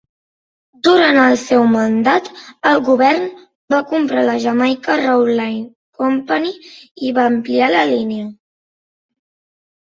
Durant el seu mandat, el govern va comprar la Jamaica Railway Company i va ampliar la línia.